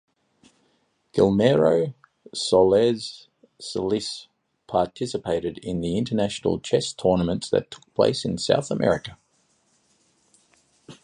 Guillermo Scholz Solis participated in international chess tournaments that took place in South America.